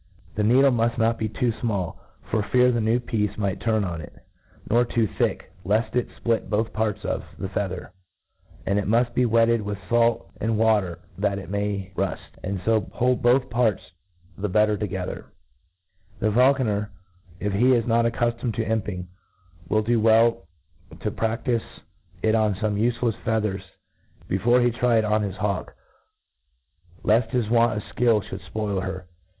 The needle muft not be too fmall, for fear the new piece tiitn on it J nor tdo thick, left it fplit both parts of , the feather ; and it miift be wetted with fait and tijrater that it may ruft, and fo hbld both parts ' the better together; The faulconer, if he is liot accuftomed to imping, will do well tp prac tife it on fom^ ufelefs feathers before he try it on his hawk, left his want of Ikill fhould fpbil her.